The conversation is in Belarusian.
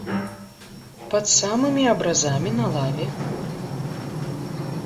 Пад самымі абразамі на лаве.